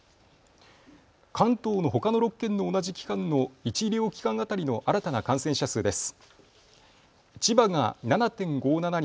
関東のほかの６県の同じ期間の１医療機関当たりの新たな感染者数です。